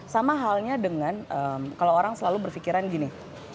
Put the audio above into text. sama halnya dengan kalau orang selalu berpikiran gini